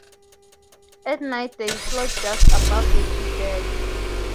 At night they float just above the seabed.